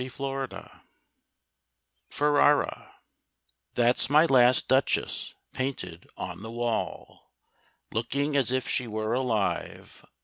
MY LAST DUCHESS Ferrara That's my last Duchess painted on the wall, Looking as if she were alive.